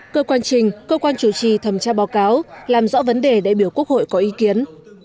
cơ quan trình cơ quan chủ trì thẩm tra báo cáo làm rõ vấn đề đại biểu quốc hội có ý kiến